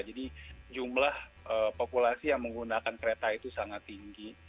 jadi jumlah populasi yang menggunakan kereta itu sangat tinggi